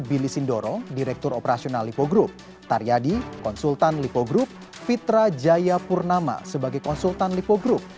billy sindoro direktur operasional lipo group taryadi konsultan lipo group fitra jayapurnama sebagai konsultan lipo group